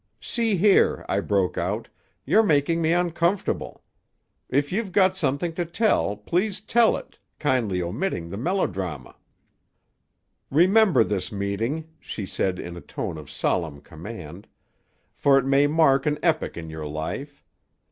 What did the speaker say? "'See here,' I broke out, 'you're making me uncomfortable. If you've got something to tell, please tell it, kindly omitting the melodrama.' "'Remember this meeting,' she said in a tone of solemn command; 'for it may mark an epoch in your life.